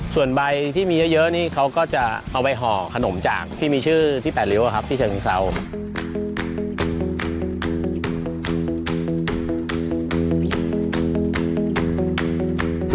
ส่วนใบที่มีเยอะนี่เขาก็จะเอาไปห่อขนมจากที่มีชื่อที่๘ริ้วครับที่เชิงเศร้า